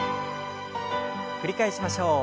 繰り返しましょう。